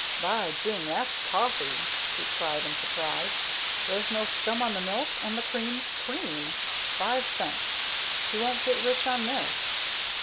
"By jing! That's coffee!" he cried in surprise. "There's no scum on the milk, and the cream's cream! Five cents! She won't get rich on this."